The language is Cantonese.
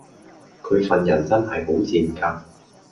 佢份人真係好賤格